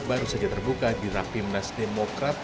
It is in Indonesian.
baru saja terbuka di rapimnas demokrat